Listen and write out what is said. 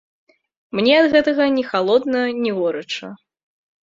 Мне ад гэтага ні халодна, ні горача.